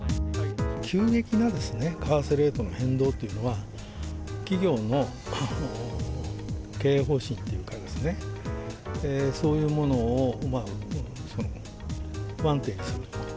急激な為替レートの変動というのは、企業の経営方針というかですね、そういうものを不安定にすると。